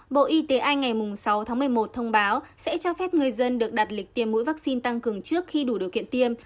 bộ y tế anh ngày sáu tháng một mươi một thông báo sẽ cho phép người dân được đặt lịch tiêm mũi vaccine tăng cường trước khi đủ điều kiện tiêm